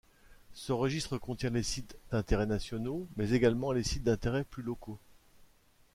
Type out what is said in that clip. Ce registre contient les sites d'intérêts nationaux mais également les sites d'intérêts plus locaux.